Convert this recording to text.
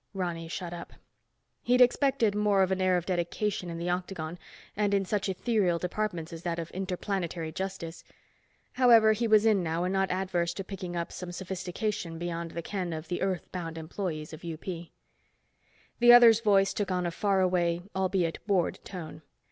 Ronny shut up. He'd expected more of an air of dedication in the Octagon and in such ethereal departments as that of Interplanetary Justice, however, he was in now and not adverse to picking up some sophistication beyond the ken of the Earth bound employees of UP. The other's voice took on a far away, albeit bored tone.